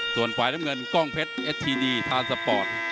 ส่วนฝ่ายน้ำเงินกล้องเพชรเอสทีนีทานสปอร์ต